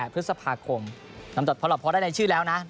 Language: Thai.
๒๘พฤษภาคมนำจดพอรอบพอได้ในชื่อแล้วนะ